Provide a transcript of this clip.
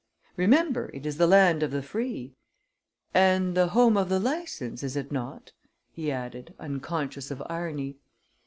Remember, it is the land of the free " "And the home of the license, is it not?" he added, unconscious of irony.